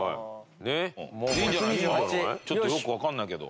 ちょっとよくわかんないけど。